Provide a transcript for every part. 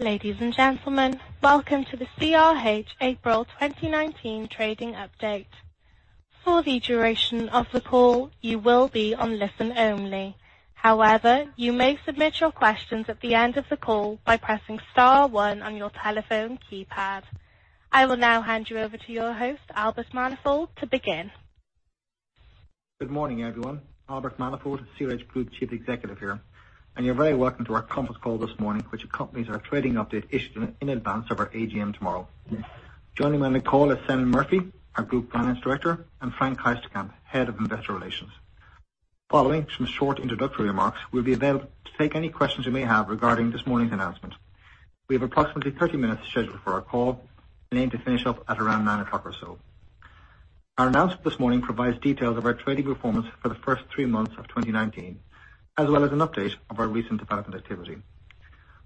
Ladies and gentlemen, welcome to the CRH April 2019 trading update. For the duration of the call, you will be on listen only. However, you may submit your questions at the end of the call by pressing star one on your telephone keypad. I will now hand you over to your host, Albert Manifold, to begin. Good morning, everyone. Albert Manifold, CRH Group Chief Executive here, and you're very welcome to our conference call this morning, which accompanies our trading update issued in advance of our AGM tomorrow. Joining me on the call is Senan Murphy, our Group Finance Director, and Frank Heisterkamp, Head of Investor Relations. Following some short introductory remarks, we'll be available to take any questions you may have regarding this morning's announcement. We have approximately 30 minutes scheduled for our call and aim to finish up at around nine o'clock or so. Our announcement this morning provides details of our trading performance for the first three months of 2019, as well as an update of our recent development activity.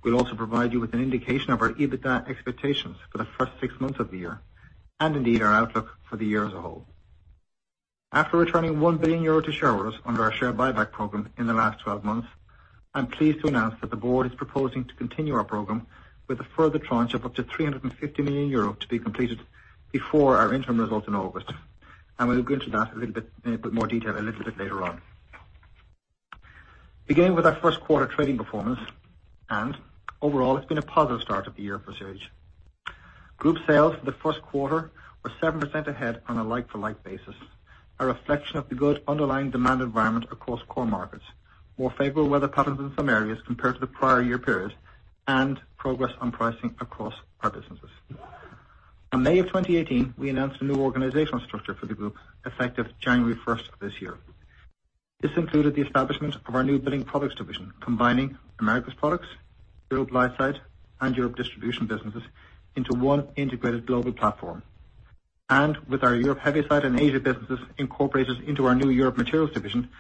We'll also provide you with an indication of our EBITDA expectations for the first six months of the year and indeed our outlook for the year as a whole. After returning 1 billion euro to shareholders under our share buyback program in the last 12 months, I'm pleased to announce that the board is proposing to continue our program with a further tranche of up to 350 million euro to be completed before our interim results in August. We'll go into that in a bit more detail a little bit later on. Beginning with our first quarter trading performance, overall it's been a positive start of the year for CRH. Group sales for the first quarter were 7% ahead on a like-for-like basis, a reflection of the good underlying demand environment across core markets, more favorable weather patterns in some areas compared to the prior year periods, progress on pricing across our businesses. In May of 2018, we announced a new organizational structure for the group effective January 1st of this year. This included the establishment of our new Building Products division, combining Americas Products, Europe Lightside, and Europe Distribution businesses into one integrated global platform. With our Europe Heavyside and Asia businesses incorporated into our new Europe Materials division,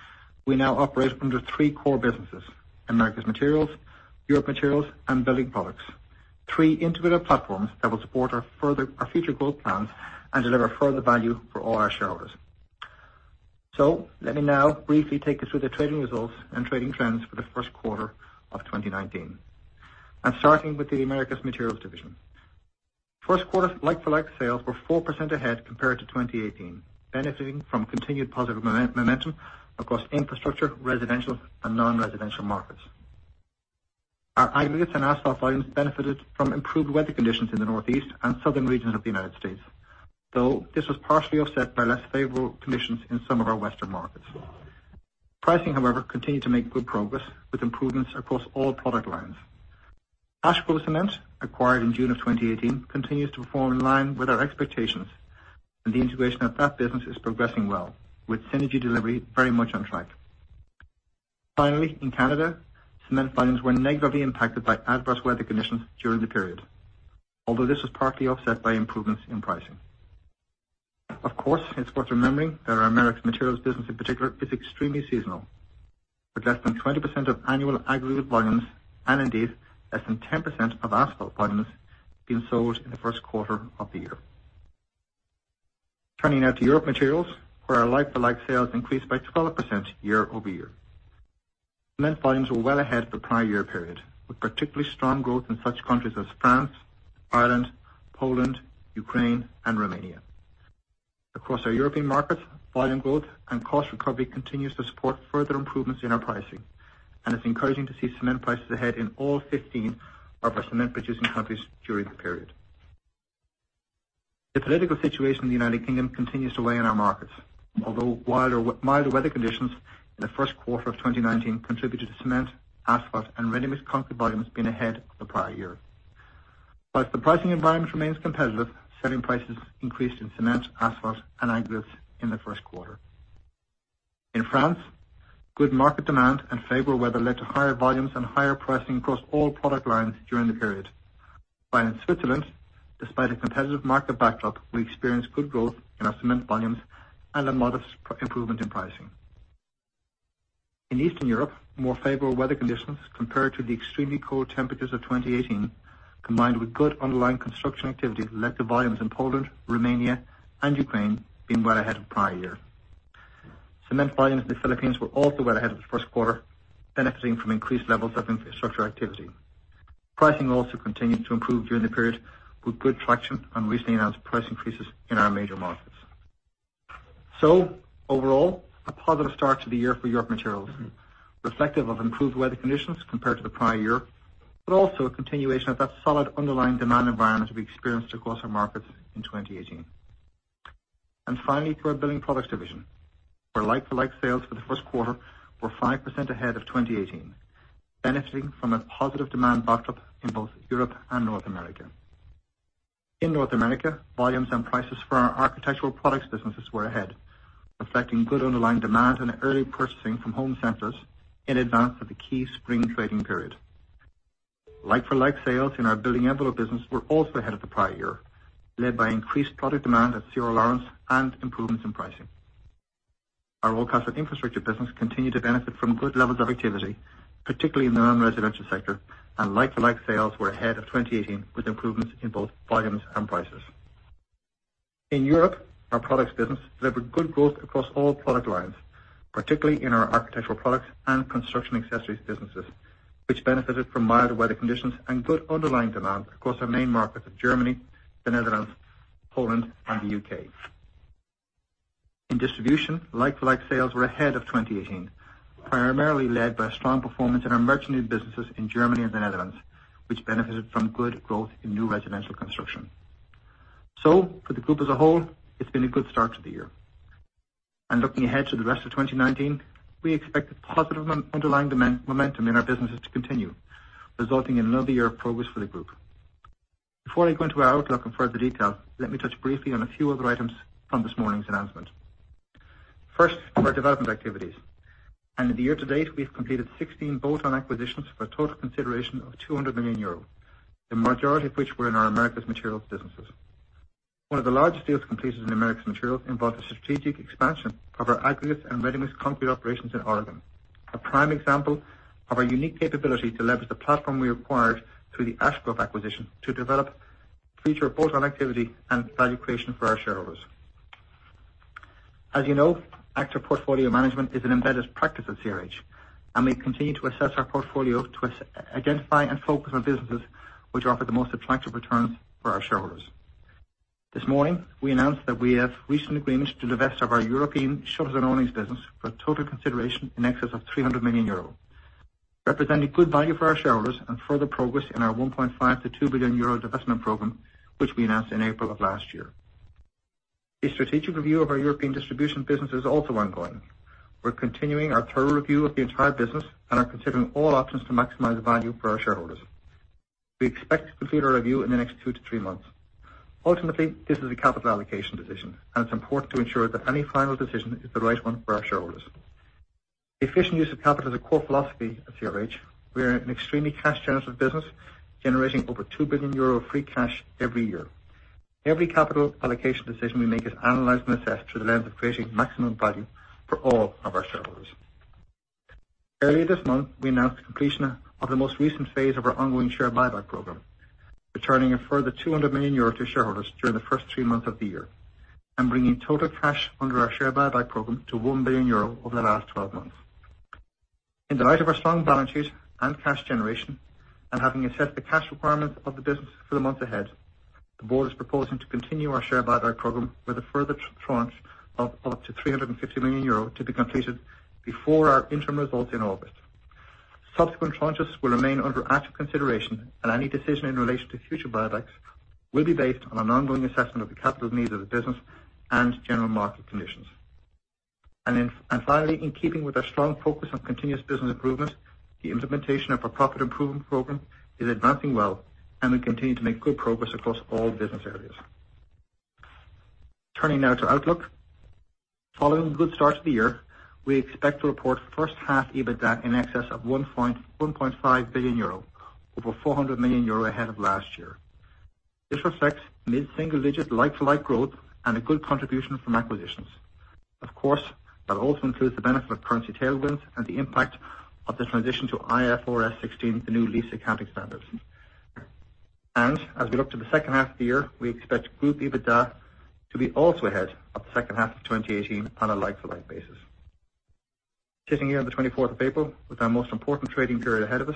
we now operate under three core businesses, Americas Materials, Europe Materials, and Building Products. Three integrated platforms that will support our future growth plans and deliver further value for all our shareholders. Let me now briefly take us through the trading results and trading trends for the first quarter of 2019. I'm starting with the Americas Materials division. First quarter like-for-like sales were 4% ahead compared to 2018, benefiting from continued positive momentum across infrastructure, residential, and non-residential markets. Our aggregates and asphalt volumes benefited from improved weather conditions in the Northeast and southern regions of the U.S., though this was partially offset by less favorable conditions in some of our western markets. Pricing, however, continued to make good progress with improvements across all product lines. Ash Grove Cement, acquired in June of 2018, continues to perform in line with our expectations, and the integration of that business is progressing well, with synergy delivery very much on track. Finally, in Canada, cement volumes were negatively impacted by adverse weather conditions during the period, although this was partly offset by improvements in pricing. Of course, it's worth remembering that our Americas Materials business in particular, is extremely seasonal, with less than 20% of annual aggregate volumes and indeed less than 10% of asphalt volumes being sold in the first quarter of the year. Turning now to Europe Materials, where our like-for-like sales increased by 12% year-over-year. Cement volumes were well ahead of the prior year period, with particularly strong growth in such countries as France, Ireland, Poland, Ukraine, and Romania. Across our European markets, volume growth and cost recovery continues to support further improvements in our pricing, and it's encouraging to see cement prices ahead in all 15 of our cement producing countries during the period. The political situation in the U.K. continues to weigh on our markets, although milder weather conditions in the first quarter of 2019 contributed to cement, asphalt, and ready-mix concrete volumes being ahead of the prior year. Whilst the pricing environment remains competitive, selling prices increased in cement, asphalt, and aggregates in the first quarter. In France, good market demand and favorable weather led to higher volumes and higher pricing across all product lines during the period. While in Switzerland, despite a competitive market backdrop, we experienced good growth in our cement volumes and a modest improvement in pricing. In Eastern Europe, more favorable weather conditions compared to the extremely cold temperatures of 2018, combined with good underlying construction activity, led to volumes in Poland, Romania, and Ukraine being well ahead of prior year. Cement volumes in the Philippines were also well ahead of the first quarter, benefiting from increased levels of infrastructure activity. Pricing also continued to improve during the period, with good traction on recently announced price increases in our major markets. Overall, a positive start to the year for Europe Materials, reflective of improved weather conditions compared to the prior year, but also a continuation of that solid underlying demand environment we experienced across our markets in 2018. Finally, to our Building Products division, where like-for-like sales for the first quarter were 5% ahead of 2018, benefiting from a positive demand backdrop in both Europe and North America. In North America, volumes and prices for our architectural products businesses were ahead, reflecting good underlying demand and early purchasing from home centers in advance of the key spring trading period. Like-for-like sales in our building envelope business were also ahead of the prior year, led by increased product demand at C.R. Laurence and improvements in pricing. Our Oldcastle Infrastructure business continued to benefit from good levels of activity, particularly in the non-residential sector, and like-for-like sales were ahead of 2018 with improvements in both volumes and prices. In Europe, our products business delivered good growth across all product lines, particularly in our architectural products and construction accessories businesses, which benefited from milder weather conditions and good underlying demand across our main markets of Germany, the Netherlands, Poland, and the U.K. In distribution, like-for-like sales were ahead of 2018, primarily led by strong performance in our merchanting businesses in Germany and the Netherlands, which benefited from good growth in new residential construction. For the group as a whole, it's been a good start to the year. Looking ahead to the rest of 2019, we expect the positive underlying demand momentum in our businesses to continue, resulting in another year of progress for the group. Before I go into our outlook in further detail, let me touch briefly on a few other items from this morning's announcement. First, our development activities. In the year to date, we've completed 16 bolt-on acquisitions for a total consideration of 200 million euros, the majority of which were in our Americas Materials businesses. One of the largest deals completed in the Americas Materials involved a strategic expansion of our aggregates and ready-mix concrete operations in Oregon. A prime example of our unique capability to leverage the platform we acquired through the Ash Grove acquisition to develop future bolt-on activity and value creation for our shareholders. As you know, active portfolio management is an embedded practice at CRH. We continue to assess our portfolio to identify and focus on businesses which offer the most attractive returns for our shareholders. This morning, we announced that we have reached an agreement to divest of our European shutters and awnings business for a total consideration in excess of 300 million euro, representing good value for our shareholders and further progress in our 1.5 billion-2 billion euro divestment program, which we announced in April of last year. A strategic review of our European distribution business is also ongoing. We're continuing our thorough review of the entire business and are considering all options to maximize value for our shareholders. We expect to complete our review in the next two to three months. Ultimately, this is a capital allocation decision. It's important to ensure that any final decision is the right one for our shareholders. Efficient use of capital is a core philosophy at CRH. We are an extremely cash-generative business, generating over 2 billion euro free cash every year. Every capital allocation decision we make is analyzed and assessed through the lens of creating maximum value for all of our shareholders. Earlier this month, we announced the completion of the most recent phase of our ongoing share buyback program, returning a further 200 million euro to shareholders during the first three months of the year, bringing total cash under our share buyback program to 1 billion euro over the last 12 months. In the light of our strong balance sheet and cash generation, having assessed the cash requirement of the business for the months ahead, the board is proposing to continue our share buyback program with a further tranche of up to 350 million euro to be completed before our interim results in August. Subsequent tranches will remain under active consideration, any decision in relation to future buybacks will be based on an ongoing assessment of the capital needs of the business and general market conditions. Finally, in keeping with our strong focus on continuous business improvement, the implementation of our profit improvement program is advancing well, and we continue to make good progress across all business areas. Turning now to outlook. Following the good start to the year, we expect to report first half EBITDA in excess of 1.5 billion euro, over 400 million euro ahead of last year. This reflects mid-single digit like-for-like growth and a good contribution from acquisitions. Of course, that also includes the benefit of currency tailwinds and the impact of the transition to IFRS 16, the new lease accounting standards. As we look to the second half of the year, we expect group EBITDA to be also ahead of the second half of 2018 on a like-for-like basis. Sitting here on the 24th of April with our most important trading period ahead of us,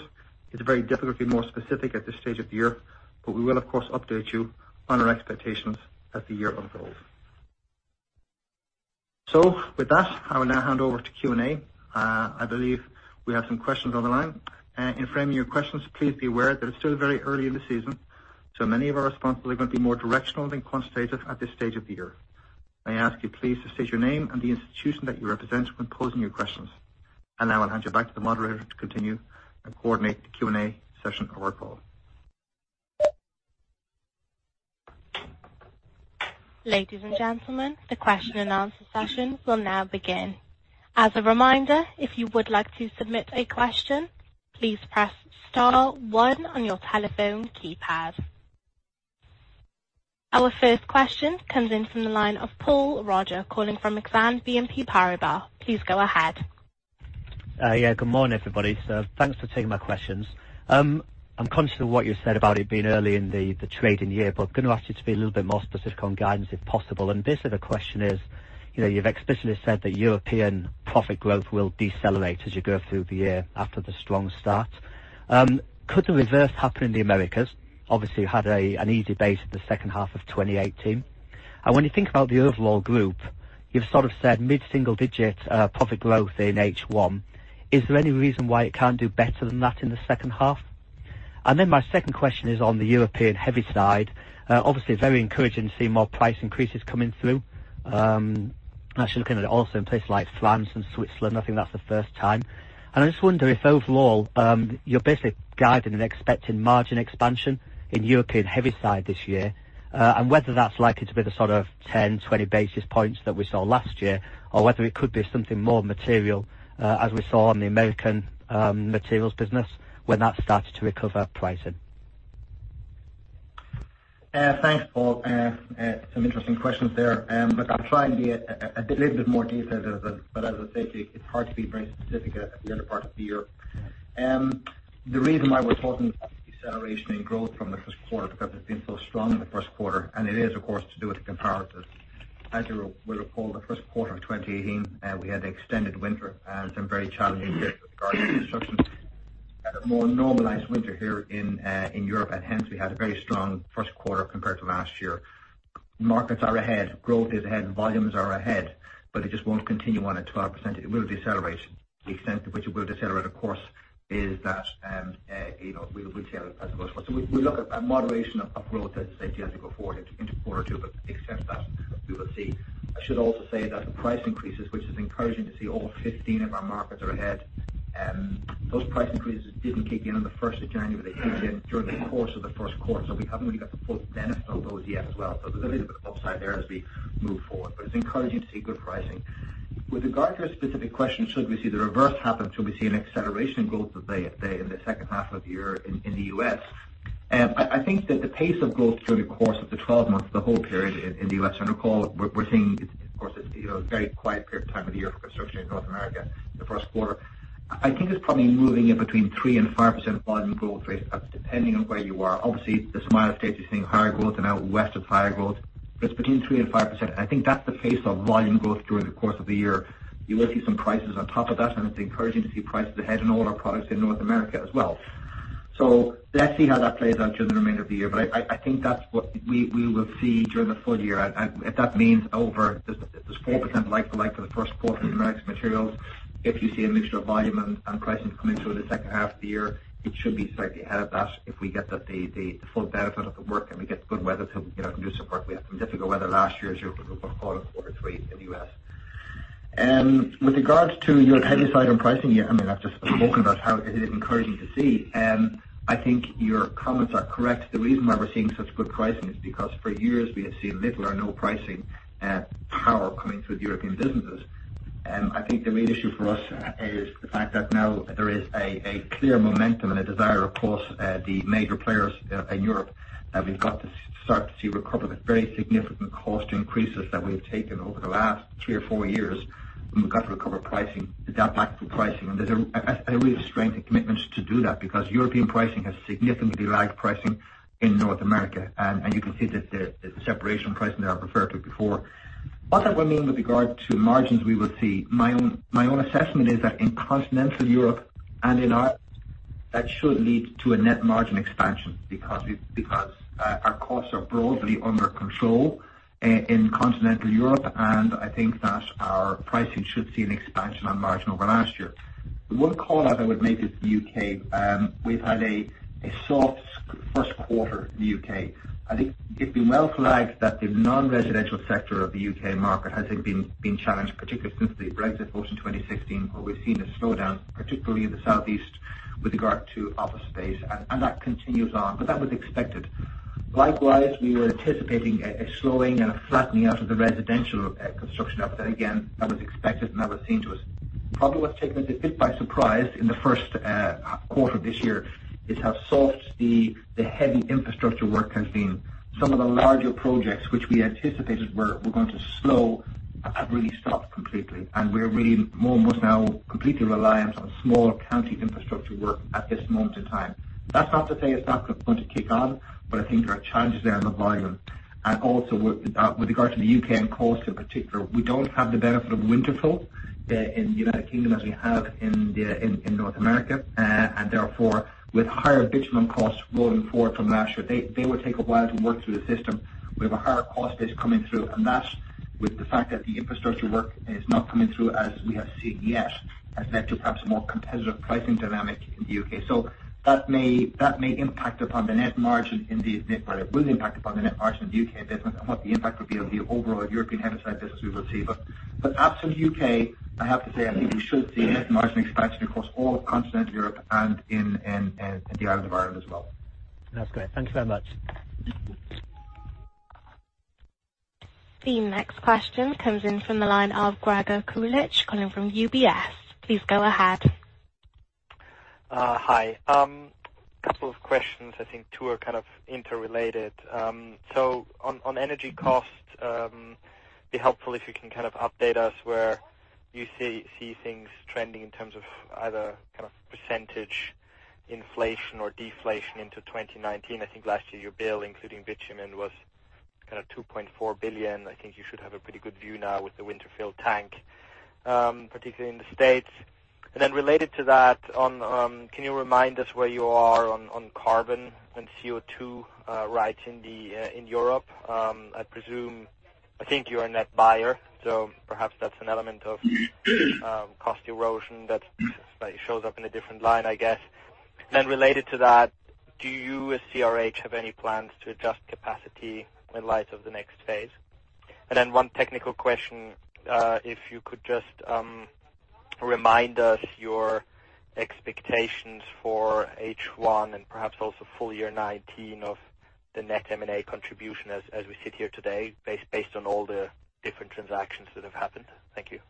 it's very difficult to be more specific at this stage of the year, but we will, of course, update you on our expectations as the year unfolds. With that, I will now hand over to Q&A. I believe we have some questions on the line. In framing your questions, please be aware that it's still very early in the season, so many of our responses are going to be more directional than quantitative at this stage of the year. May I ask you please to state your name and the institution that you represent when posing your questions. Now I'll hand you back to the moderator to continue and coordinate the Q&A session of our call. Ladies and gentlemen, the question and answer session will now begin. As a reminder, if you would like to submit a question, please press star one on your telephone keypad. Our first question comes in from the line of Paul Roger, calling from Exane BNP Paribas. Please go ahead. Good morning, everybody. Thanks for taking my questions. I'm conscious of what you said about it being early in the trading year, going to ask you to be a little bit more specific on guidance, if possible. This as a question is, you've explicitly said that European profit growth will decelerate as you go through the year after the strong start. Could the reverse happen in the Americas? Obviously, you had an easy base at the second half of 2018. When you think about the overall group, you've sort of said mid-single digit profit growth in H1. Is there any reason why it can't do better than that in the second half? My second question is on the Europe Heavyside. Obviously, very encouraging to see more price increases coming through. Actually looking at it also in places like France and Switzerland, I think that's the first time. I just wonder if overall, you're basically guiding and expecting margin expansion in Europe Heavyside this year, and whether that's likely to be the sort of 10, 20 basis points that we saw last year or whether it could be something more material, as we saw in the Americas Materials business when that started to recover pricing. Thanks, Paul. Some interesting questions there, I'll try and be a little bit more detailed. As I say, it's hard to be very specific at the early part of the year. The reason why we're talking about deceleration in growth from the first quarter, because it's been so strong in the first quarter, and it is, of course, to do with the comparatives. As you will recall, the first quarter of 2018, we had the extended winter and some very challenging days regarding construction. Had a more normalized winter here in Europe, and hence, we had a very strong first quarter compared to last year. Markets are ahead, growth is ahead, volumes are ahead, it just won't continue on at 12%. It will decelerate. The extent to which it will decelerate, of course, is that we'll reveal as we go forward. We look at moderation of growth as I think as we go forward into quarter two, the extent that we will see. I should also say that the price increases, which is encouraging to see all 15 of our markets are ahead. Those price increases didn't kick in on the first of January, they kicked in during the course of the first quarter. We haven't really got the full benefit of those yet as well. There's a little bit of upside there as we move forward, but it's encouraging to see good pricing. With regard to a specific question, should we see the reverse happen? Should we see an acceleration in growth in the second half of the year in the U.S.? I think that the pace of growth during the course of the 12 months, the whole period in the U.S., and recall, we're seeing it, of course, it's a very quiet period of time of year for construction in North America in the first quarter. I think it's probably moving in between 3% and 5% volume growth rate, depending on where you are. Obviously, the smaller states, you're seeing higher growth and out west it's higher growth, but it's between 3% and 5%. I think that's the pace of volume growth during the course of the year. You will see some prices on top of that, and it's encouraging to see prices ahead in all our products in North America as well. Let's see how that plays out during the remainder of the year. I think that's what we will see during the full year. If that means over, there's 4% like-for-like for the first quarter in regards to materials. If you see a mixture of volume and pricing coming through the second half of the year, it should be slightly ahead of that if we get the full benefit of the work and we get good weather to do some work. We had some difficult weather last year, as you would recall, in quarter three in the U.S. With regards to your Heavyside on pricing, I've just spoken about how it is encouraging to see. I think your comments are correct. The reason why we're seeing such good pricing is because for years we have seen little or no pricing power coming through the European businesses. I think the main issue for us is the fact that now there is a clear momentum and a desire across the major players in Europe, that we've got to start to see recover the very significant cost increases that we've taken over the last three or four years, and we've got to recover pricing, that back to pricing. There's a real strength and commitment to do that because European pricing has significantly lagged pricing in North America. You can see that the separation pricing that I referred to before. What that will mean with regard to margins we will see, my own assessment is that in continental Europe and in Ireland, that should lead to a net margin expansion because our costs are broadly under control in continental Europe. I think that our pricing should see an expansion on margin over last year. The one call out I would make is the U.K. We've had a soft first quarter in the U.K. I think it's been well flagged that the non-residential sector of the U.K. market has been challenged, particularly since the Brexit vote in 2016, where we've seen a slowdown, particularly in the southeast with regard to office space, and that continues on. That was expected. Likewise, we were anticipating a slowing and a flattening out of the residential construction output. Again, that was expected, and that was seen to us. The problem that's taken us a bit by surprise in the first quarter this year is how soft the heavy infrastructure work has been. Some of the larger projects which we anticipated were going to slow have really stopped completely, and we're really more almost now completely reliant on smaller county infrastructure work at this moment in time. That's not to say it's not going to kick on. I think there are challenges there on the volume. Also with regard to the U.K. and costs in particular, we don't have the benefit of winter fill in the United Kingdom as we have in North America. Therefore, with higher bitumen costs rolling forward from last year, they will take a while to work through the system. We have a higher cost that is coming through, and that, with the fact that the infrastructure work is not coming through as we have seen yet, has led to perhaps a more competitive pricing dynamic in the U.K. That may impact upon the net margin. Well, it will impact upon the net margin of the U.K. business and what the impact will be on the overall Europe Heavyside business we will see. Absent U.K., I have to say, I think we should see net margin expansion across all of continental Europe and in the island of Ireland as well. That's great. Thank you very much. The next question comes in from the line of Gregor Kuglitsch, calling from UBS. Please go ahead. Hi. Couple of questions, I think two are kind of interrelated. On energy costs, it'd be helpful if you can kind of update us where you see things trending in terms of either kind of % inflation or deflation into 2019. I think last year your bill, including bitumen, was kind of 2.4 billion. I think you should have a pretty good view now with the winter fill tank, particularly in the U.S. Related to that, can you remind us where you are on carbon and CO2 rights in Europe? I presume, I think you're a net buyer, perhaps that's an element of cost erosion that shows up in a different line, I guess. Related to that, do you as CRH have any plans to adjust capacity in light of the next phase? One technical question, if you could just remind us your expectations for H1 and perhaps also full year 2019 of the net M&A contribution as we sit here today based on all the different transactions that have happened. Thank you.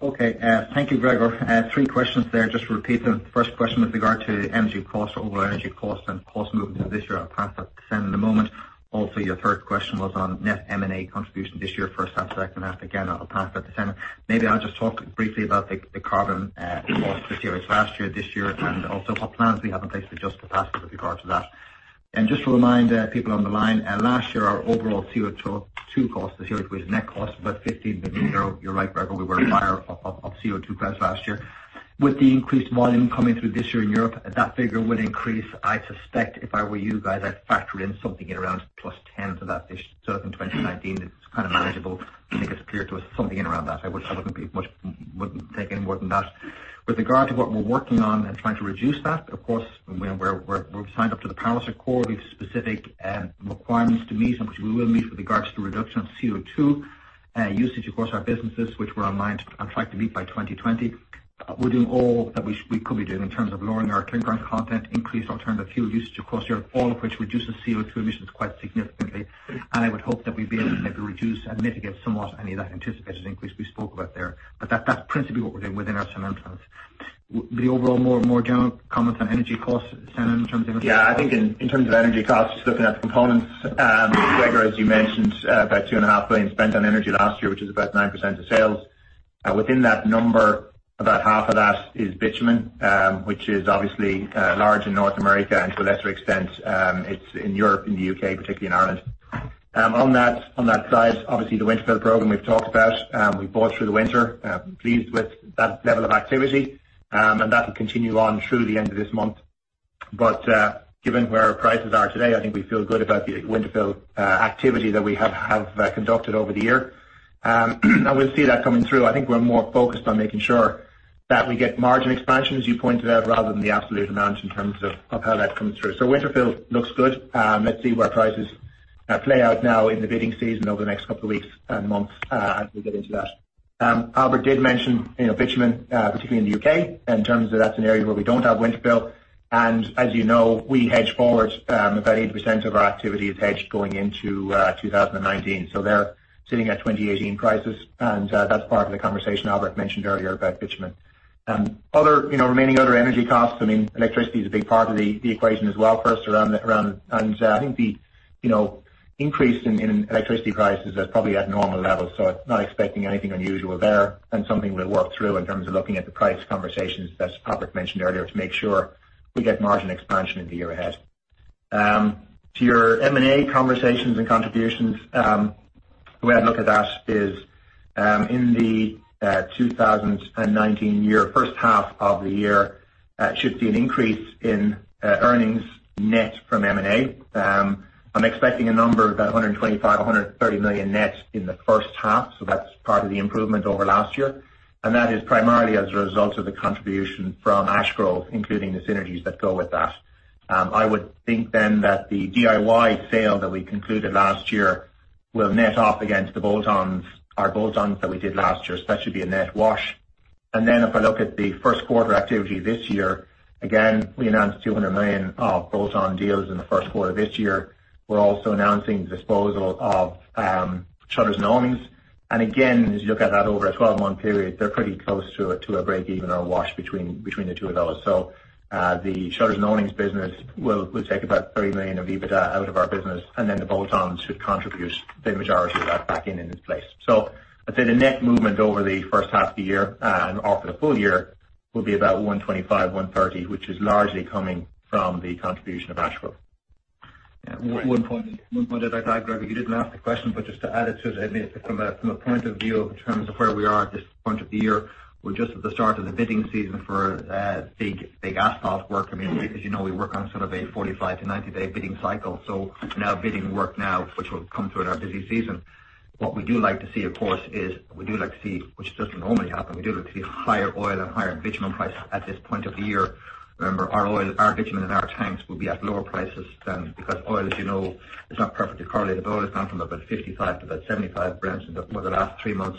Okay. Thank you, Gregor. Three questions there. Just to repeat them. First question with regard to energy cost, overall energy cost and cost movement through this year. I'll pass that to Senan in a moment. Your third question was on net M&A contribution this year, first half, second half. Again, I'll pass that to Senan. Maybe I'll just talk briefly about the carbon cost this year as to last year, this year, and also what plans we have in place to adjust capacity with regard to that. Just to remind people on the line, last year, our overall CO2 costs, the net cost was about 15 million euro. You're right, Gregor, we were a buyer of CO2 gas last year. With the increased volume coming through this year in Europe, that figure will increase. I suspect if I were you guys, I'd factor in something at around +10 to that in 2019. It's kind of manageable. I think it's clear to us something in and around that. I wouldn't take any more than that. With regard to what we're working on and trying to reduce that, of course, we're signed up to the Paris Agreement. We have specific requirements to meet, which we will meet with regards to reduction of CO2 usage across our businesses, which we're on line to, and track to meet by 2020. We're doing all that we could be doing in terms of lowering our clinker content, increased alternative fuel usage across Europe, all of which reduces CO2 emissions quite significantly. I would hope that we'd be able to maybe reduce and mitigate somewhat any of that anticipated increase we spoke about there. That's principally what we're doing within our cement plants. Would you overall more general comment on energy costs, Senan. I think in terms of energy costs, just looking at the components, Gregor, as you mentioned, about 2.5 billion spent on energy last year, which is about 9% of sales. Within that number, about half of that is bitumen, which is obviously large in North America, and to a lesser extent, it's in Europe, in the U.K., particularly in Ireland. On that side, obviously the winter fuel program we've talked about, we bought through the winter. Pleased with that level of activity, and that will continue on through the end of this month. Given where our prices are today, I think we feel good about the winter fuel activity that we have conducted over the year, and we'll see that coming through. I think we're more focused on making sure that we get margin expansion, as you pointed out, rather than the absolute amount in terms of how that comes through. Winter fuel looks good. Let's see where prices play out now in the bidding season over the next couple of weeks and months as we get into that. Albert did mention bitumen, particularly in the U.K., in terms of that's an area where we don't have winter fuel. As you know, we hedge forward, about 80% of our activity is hedged going into 2019. They're sitting at 2018 prices, and that's part of the conversation Albert mentioned earlier about bitumen. Remaining other energy costs, electricity is a big part of the equation as well for us around. I think the increase in electricity prices are probably at normal levels, not expecting anything unusual there, something we'll work through in terms of looking at the price conversations, as Albert mentioned earlier, to make sure we get margin expansion in the year ahead. To your M&A conversations and contributions, the way I'd look at that is in the 2019 year, first half of the year, should see an increase in earnings net from M&A. I'm expecting a number of about 125 million-130 million net in the first half. That's part of the improvement over last year. That is primarily as a result of the contribution from Ash Grove, including the synergies that go with that. I would think then that the DIY sale that we concluded last year will net off against our bolt-ons that we did last year. That should be a net wash. If I look at the first quarter activity this year, again, we announced 200 million of bolt-on deals in the first quarter this year. We're also announcing the disposal of shutters and awnings. Again, as you look at that over a 12-month period, they're pretty close to a break even or wash between the two of those. The shutters and awnings business will take about 30 million of EBITDA out of our business, and then the bolt-ons should contribute the majority of that back in its place. I'd say the net movement over the first half of the year and off the full year will be about 125, 130, which is largely coming from the contribution of Ash Grove. One point I'd add, Gregor, you didn't ask the question, but just to add it to it, from a point of view in terms of where we are at this point of the year, we're just at the start of the bidding season for big asphalt work. As you know, we work on sort of a 45 to 90-day bidding cycle. We're now bidding work now, which will come through in our busy season. What we do like to see, of course, is we do like to see, which doesn't normally happen, we do like to see higher oil and higher bitumen prices at this point of the year. Remember, our bitumen in our tanks will be at lower prices than, because oil, as you know, is not perfectly correlated. Oil has gone from about 55 to about 75 over the last three months.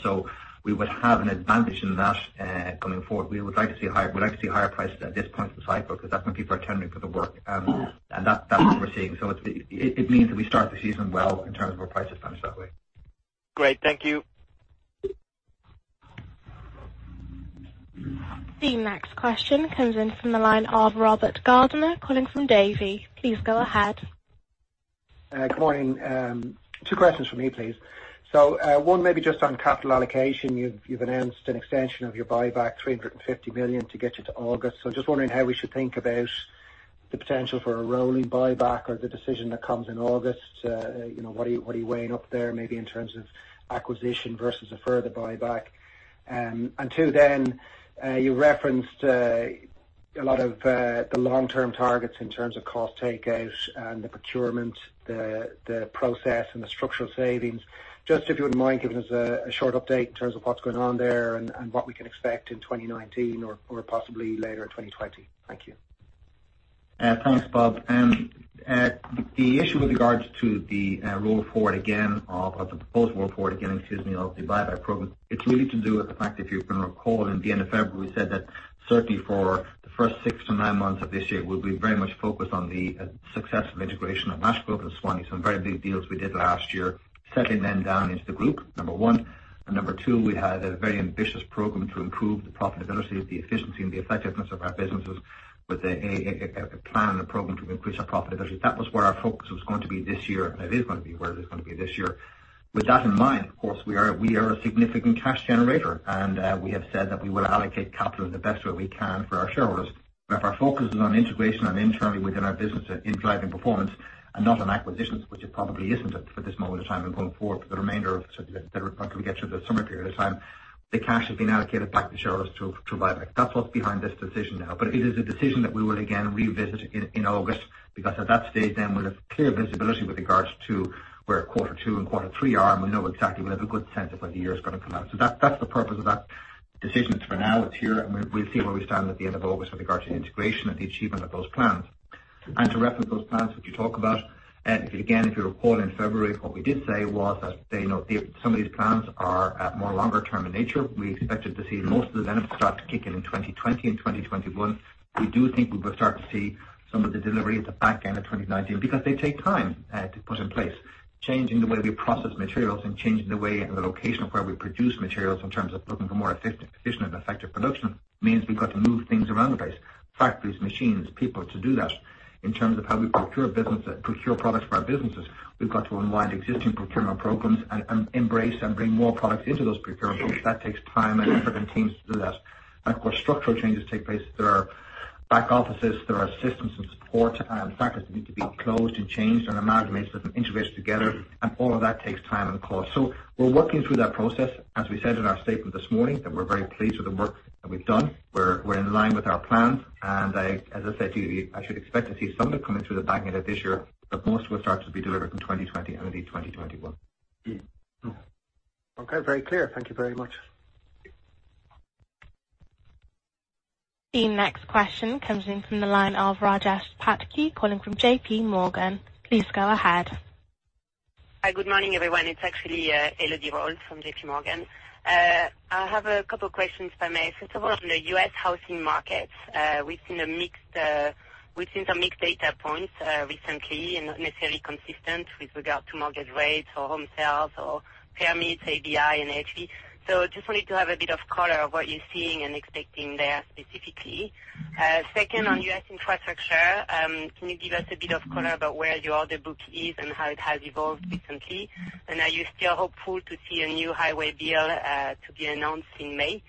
We would have an advantage in that, coming forward. We would like to see higher prices at this point in the cycle because that's when people are tendering for the work. That's what we're seeing. It means that we start the season well in terms of our price establishment that way. Great. Thank you. The next question comes in from the line of Robert Gardiner calling from Davy. Please go ahead. Good morning. Two questions from me, please. One maybe just on capital allocation. You've announced an extension of your buyback, 350 million to get you to August. Just wondering how we should think about the potential for a rolling buyback or the decision that comes in August. What are you weighing up there maybe in terms of acquisition versus a further buyback? Until then, you referenced a lot of the long-term targets in terms of cost takeout and the procurement, the process, and the structural savings. Just if you wouldn't mind giving us a short update in terms of what's going on there and what we can expect in 2019 or possibly later in 2020. Thank you. Thanks, Bob. The issue with regards to the roll forward again, or the proposed roll forward again, excuse me, of the buyback program, it's really to do with the fact, if you can recall, in the end of February, we said that certainly for the first six to nine months of this year, we'll be very much focused on the success of integration of Ash Grove and Suwannee, some very big deals we did last year, settling them down into the group, number one. Number two, we had a very ambitious program to improve the profitability, the efficiency, and the effectiveness of our businesses with a plan and a program to increase our profitability. That was where our focus was going to be this year, and it is going to be where it is going to be this year. With that in mind, of course, we are a significant cash generator. We have said that we will allocate capital in the best way we can for our shareholders. Our focus is on integration and internally within our business in driving performance and not on acquisitions, which it probably isn't at this moment in time and going forward for the remainder of, until we get through the summer period of time, the cash has been allocated back to shareholders through buyback. That's what's behind this decision now. It is a decision that we will, again, revisit in August, because at that stage then we'll have clear visibility with regards to where quarter 2 and quarter 3 are, and we'll know exactly, we'll have a good sense of what the year is going to come out. That's the purpose of that decision. It's for now, it's here, and we'll see where we stand at the end of August with regards to the integration and the achievement of those plans. To reference those plans, which you talk about, again, if you recall in February, what we did say was that some of these plans are more longer term in nature. We expected to see most of the benefits start to kick in in 2020 and 2021. We do think we will start to see some of the delivery at the back end of 2019 because they take time to put in place. Changing the way we process materials and changing the way and the location of where we produce materials in terms of looking for more efficient and effective production means we've got to move things around the place, factories, machines, people to do that. In terms of how we procure products for our businesses, we've got to unwind existing procurement programs and embrace and bring more products into those procurement groups. That takes time and effort and teams to do that. Of course, structural changes take place. There are back offices, there are systems and support and factories that need to be closed and changed and amalgamated and integrated together, and all of that takes time and cost. We're working through that process, as we said in our statement this morning, that we're very pleased with the work that we've done. We're in line with our plans. As I said to you, I should expect to see some of it coming through the back end of this year, but most will start to be delivered in 2020 and indeed 2021. Okay, very clear. Thank you very much. The next question comes in from the line of Rajesh Patki calling from JP Morgan. Please go ahead. Hi. Good morning, everyone. It's actually Elodie Rall from JP Morgan. I have a couple questions, if I may. First of all, on the U.S. housing markets, we've seen some mixed data points recently, not necessarily consistent with regard to mortgage rates or home sales or permits, AHI and NAHB. Just wanted to have a bit of color of what you're seeing and expecting there specifically. Second, on U.S. infrastructure, can you give us a bit of color about where your order book is and how it has evolved recently? Are you still hopeful to see a new highway bill to be announced in May?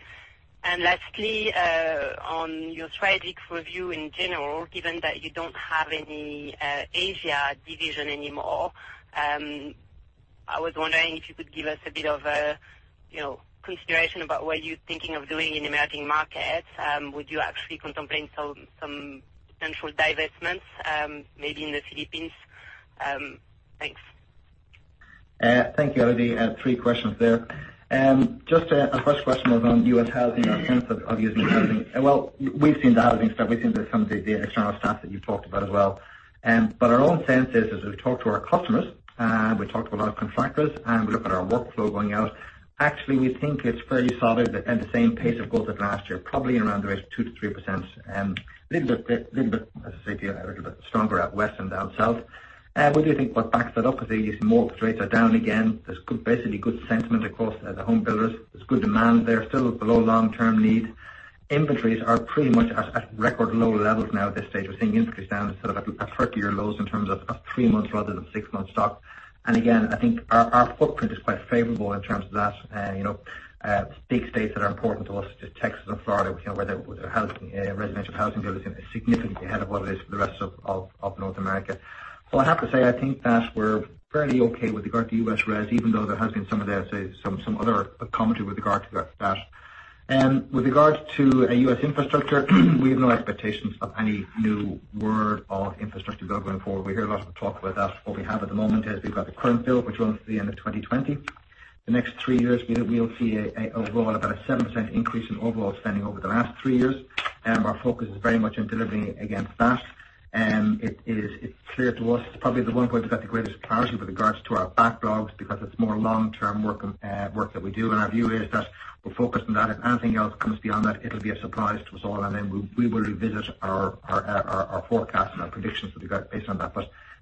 Lastly, on your strategic review in general, given that you don't have any Asia division anymore, I was wondering if you could give us a bit of consideration about what you're thinking of doing in emerging markets. Would you actually contemplate some potential divestments, maybe in the Philippines? Thanks. Thank you, Elodie. Three questions there. Just our first question was on U.S. housing, our sense of U.S. housing. Well, we've seen the housing stuff. We've seen some of the external stats that you've talked about as well. Our own sense is, as we've talked to our customers, we've talked to a lot of contractors, and we look at our workflow going out, actually, we think it's fairly solid at the same pace it goes at last year, probably around the rate of two to three%. A little bit stronger out west than down south. We do think what backs that up is these mortgage rates are down again. There's basically good sentiment across the home builders. There's good demand there, still below long-term need. Inventories are pretty much at record low levels now at this stage. We're seeing inventories down sort of at 30-year lows in terms of three months rather than six months stock. Again, I think our footprint is quite favorable in terms of that. Big states that are important to us is Texas and Florida, where the residential housing build is significantly ahead of what it is for the rest of North America. I have to say, I think that we're fairly okay with regard to U.S. res, even though there has been some of the, I'd say, some other commentary with regard to that. With regards to U.S. infrastructure, we have no expectations of any new word on infrastructure build going forward. We hear a lot of talk about that. What we have at the moment is we've got the current build, which runs to the end of 2020. The next three years, we'll see overall about a 7% increase in overall spending over the last three years. Our focus is very much in delivering against that. It's clear to us, it's probably the one point that's got the greatest priority with regards to our backlogs because it's more long-term work that we do. Our view is that we're focused on that. If anything else comes beyond that, it'll be a surprise to us all, then we will revisit our forecast and our predictions with regard based on that.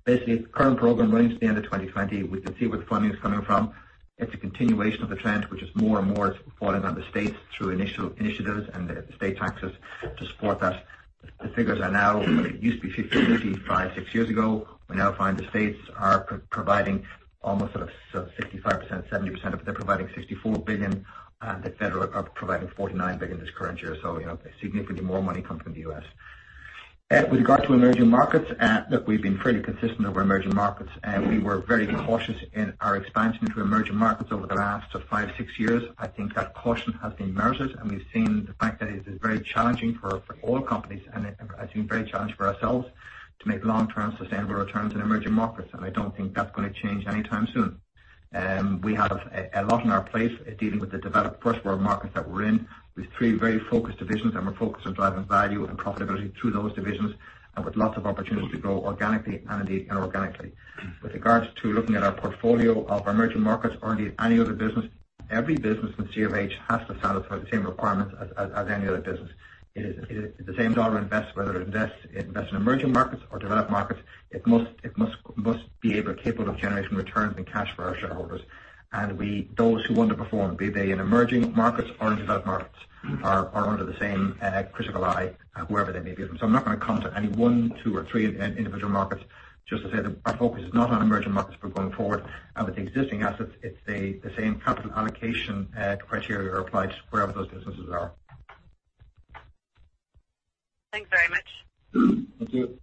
Basically, the current program runs to the end of 2020. We can see where the funding is coming from. It's a continuation of the trend, which is more and more is falling on the states through initiatives and the state taxes to support that. The figures are now, it used to be 50/50 five, six years ago. We now find the states are providing almost sort of 65%, 70%, but they're providing 64 billion. The federal are providing 49 billion this current year. Significantly more money coming from the U.S. With regard to emerging markets, look, we've been fairly consistent over emerging markets. We were very cautious in our expansion into emerging markets over the last sort of five, six years. I think that caution has been merited, and we've seen the fact that it is very challenging for all companies, and I think very challenging for ourselves, to make long-term sustainable returns in emerging markets, and I don't think that's going to change anytime soon. We have a lot on our plate dealing with the developed first world markets that we're in, with three very focused divisions. We're focused on driving value and profitability through those divisions, with lots of opportunity to grow organically and indeed inorganically. With regards to looking at our portfolio of emerging markets or indeed any other business, every business in CRH has to satisfy the same requirements as any other business. It is the same EUR invest, whether it invests in emerging markets or developed markets, it must be able and capable of generating returns and cash for our shareholders. Those who underperform, be they in emerging markets or in developed markets, are under the same critical eye wherever they may be. I'm not going to comment any one, two, or three individual markets. Just to say that our focus is not on emerging markets, but going forward and with existing assets, it's the same capital allocation criteria are applied wherever those businesses are. Thank you.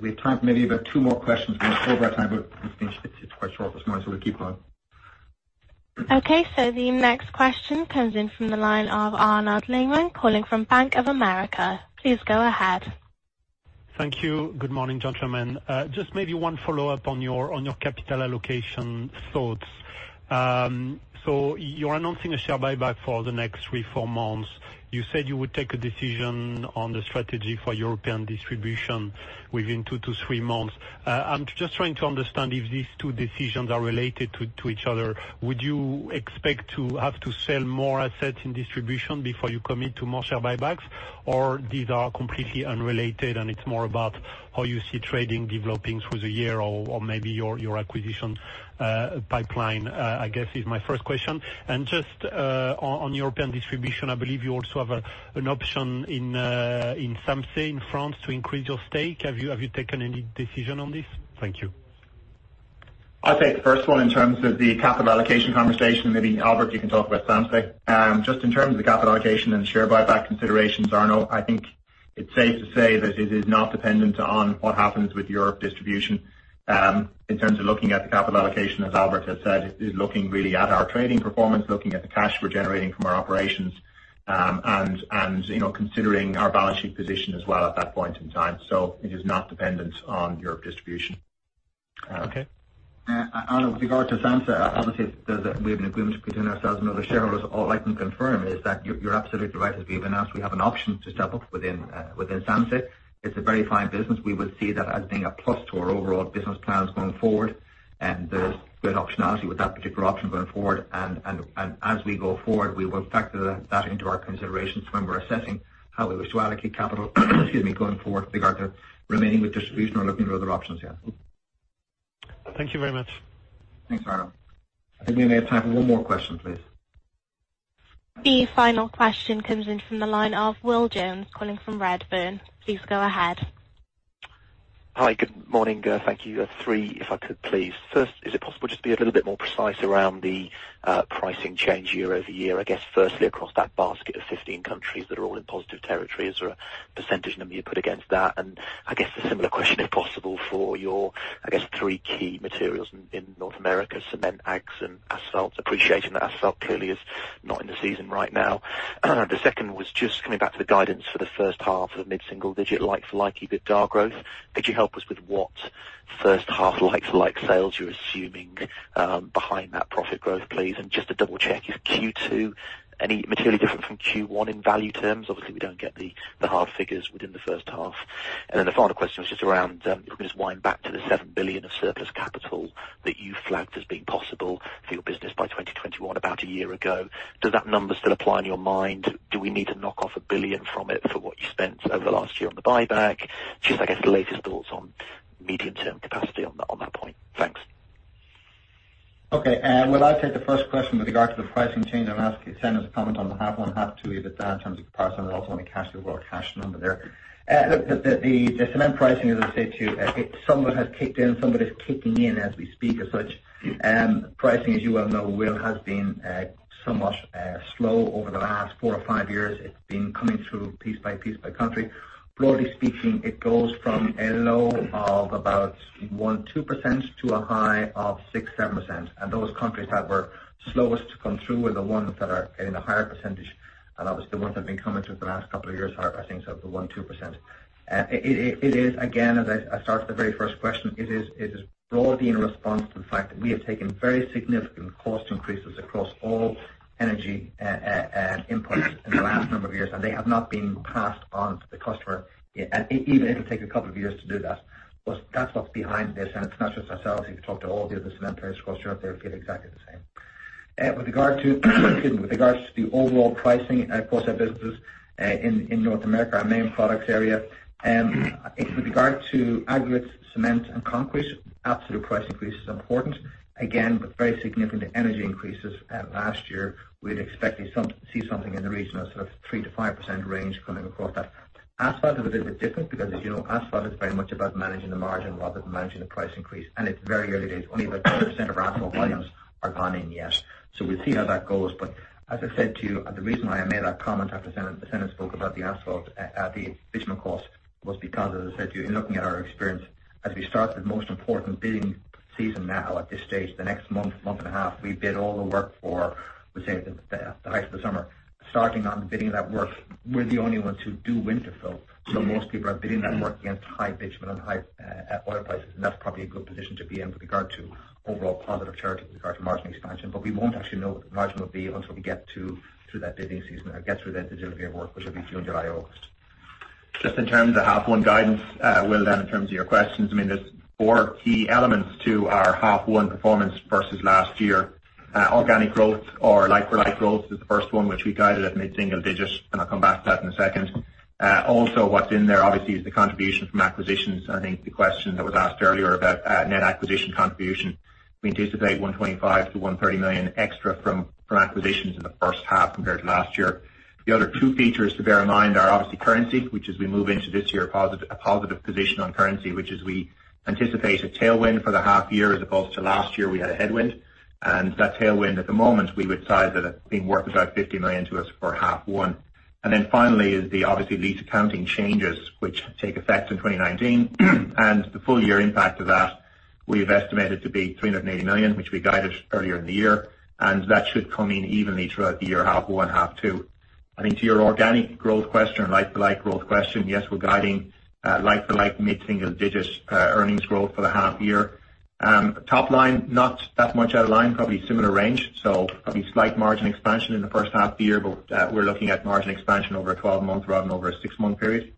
We have time maybe for about two more questions. We're over our time, but it's quite short this morning, so we'll keep going. Okay, the next question comes in from the line of Arnaud Lehmann calling from Bank of America. Please go ahead. Thank you. Good morning, gentlemen. Just maybe one follow-up on your capital allocation thoughts. You're announcing a share buyback for the next three, four months. You said you would take a decision on the strategy for European distribution within two to three months. I'm just trying to understand if these two decisions are related to each other. Would you expect to have to sell more assets in distribution before you commit to more share buybacks? These are completely unrelated, and it's more about how you see trading developing through the year or maybe your acquisition pipeline, I guess is my first question. Just on European distribution, I believe you also have an option in Saint-Amand in France to increase your stake. Have you taken any decision on this? Thank you. I'll take the first one in terms of the capital allocation conversation. Maybe Albert, you can talk about Saint-Amand. Just in terms of the capital allocation and share buyback considerations, Arnaud, I think it's safe to say that it is not dependent on what happens with Europe Distribution. In terms of looking at the capital allocation, as Albert has said, it is looking really at our trading performance, looking at the cash we're generating from our operations, and considering our balance sheet position as well at that point in time. It is not dependent on Europe Distribution. Okay. Arnaud, with regard to Saint-Amand, obviously, we have an agreement between ourselves and other shareholders. All I can confirm is that you're absolutely right. As we've announced, we have an option to step up within Saint-Amand. It's a very fine business. We would see that as being a plus to our overall business plans going forward, and there's good optionality with that particular option going forward. As we go forward, we will factor that into our considerations when we're assessing how we wish to allocate capital excuse me, going forward with regard to remaining with Distribution or looking at other options, yeah. Thank you very much. Thanks, Arnaud. I think we may have time for one more question, please. The final question comes in from the line of Will Jones, calling from Redburn. Please go ahead. Hi. Good morning. Thank you. Three, if I could, please. First, is it possible just to be a little bit more precise around the pricing change year-over-year? I guess firstly, across that basket of 15 countries that are all in positive territory. Is there a percentage number you put against that? I guess a similar question, if possible, for your, I guess, three key materials in North America, cement, aggs, and asphalt, appreciating that asphalt clearly is not in the season right now. The second was just coming back to the guidance for the first half of the mid-single digit, like-for-like EBITDA growth. Could you help us with what first half like-for-like sales you're assuming behind that profit growth, please? Just to double-check, is Q2 any materially different from Q1 in value terms? Obviously, we don't get the hard figures within the first half. The final question was just around, if we can just wind back to the 7 billion of surplus capital that you flagged as being possible for your business by 2021, about a year ago. Does that number still apply in your mind? Do we need to knock off 1 billion from it for what you spent over the last year on the buyback? Just, I guess, the latest thoughts on medium-term capacity on that point. Thanks. Okay. Well, I'll take the first question with regards to the pricing change and ask Senan to comment on the half one, half two, EBITDA in terms of price, and we also want to cash the overall cash number there. Look, the cement pricing, as I said to you, some of it has kicked in, some of it is kicking in as we speak, as such. Pricing, as you well know, Will, has been somewhat slow over the last four or five years. It's been coming through piece by piece by country. Broadly speaking, it goes from a low of about one, 2% to a high of six, 7%. Those countries that were slowest to come through were the ones that are getting a higher percentage, obviously, the ones that have been coming through the last couple of years are, I think, sort of the one, 2%. It is, again, as I started the very first question, it is broadly in response to the fact that we have taken very significant cost increases across all energy inputs in the last number of years, and they have not been passed on to the customer. Even it'll take a couple of years to do that. That's what's behind this, and it's not just ourselves. You could talk to all the other cement players across Europe, they feel exactly the same. With regard to excuse me, with regards to the overall pricing across our businesses in North America, our main products area. With regard to aggregates, cement, and concrete, absolute price increase is important. Again, with very significant energy increases last year, we'd expected to see something in the region of sort of 3%-5% range coming across that. Asphalt is a bit different because, as you know, asphalt is very much about managing the margin rather than managing the price increase. It's very early days. Only about 4% of our asphalt volumes are gone in yet. We'll see how that goes. As I said to you, the reason why I made that comment after Senan spoke about the asphalt, the bitumen cost, was because, as I said to you, in looking at our experience, as we start the most important bidding season now at this stage, the next month and a half, we bid all the work for, we'll say, the height of the summer. Starting on the bidding of that work, we're the only ones who do winter fill. Most people are bidding that work against high bitumen and high oil prices, and that's probably a good position to be in with regard to overall positive territory with regard to margin expansion. We won't actually know what the margin will be until we get to that bidding season and get through the delivery of work, which will be June, July, August. Just in terms of half one guidance, Will, in terms of your questions, there's four key elements to our half one performance versus last year. Organic growth or like-for-like growth is the first one, which we guided at mid-single digits, and I'll come back to that in a second. What's in there, obviously, is the contribution from acquisitions. I think the question that was asked earlier about net acquisition contribution. We anticipate 125 million-130 million extra from acquisitions in the first half compared to last year. The other two features to bear in mind are obviously currency, which as we move into this year, a positive position on currency, which as we anticipate a tailwind for the half year as opposed to last year, we had a headwind. That tailwind at the moment, we would size it at being worth about 50 million to us for half one. Finally is the obviously lease accounting changes, which take effect in 2019. The full year impact of that we've estimated to be 380 million, which we guided earlier in the year, and that should come in evenly throughout the year, half one, half two. I think to your organic growth question or like-for-like growth question, yes, we're guiding like-for-like mid-single digits earnings growth for the half year. Top line, not that much out of line, probably similar range, probably slight margin expansion in the first half of the year, but we're looking at margin expansion over a 12-month rather than over a six-month period.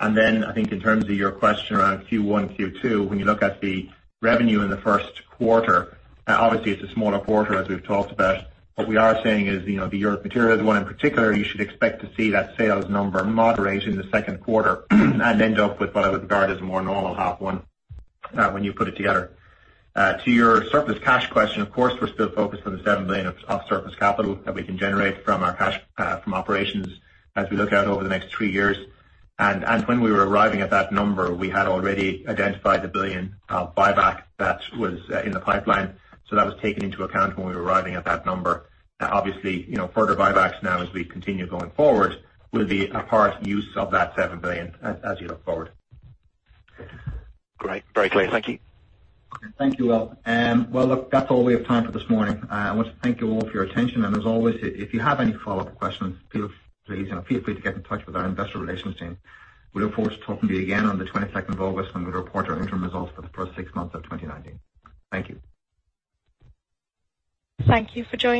I think in terms of your question around Q1, Q2, when you look at the revenue in the first quarter, obviously it's a smaller quarter as we've talked about. What we are saying is, the Europe Materials is one in particular, you should expect to see that sales number moderate in the second quarter and end up with what I would regard as a more normal half one when you put it together. To your surplus cash question, of course, we're still focused on the 7 billion of surplus capital that we can generate from operations as we look out over the next three years. When we were arriving at that number, we had already identified the 1 billion buyback that was in the pipeline. That was taken into account when we were arriving at that number. Obviously, further buybacks now as we continue going forward will be a part use of that 7 billion as you look forward. Great. Very clear. Thank you. Thank you, Will. Well, look, that's all we have time for this morning. I want to thank you all for your attention. As always, if you have any follow-up questions, feel free to get in touch with our investor relations team. We look forward to talking to you again on the 22nd of August when we report our interim results for the first six months of 2019. Thank you. Thank you for joining.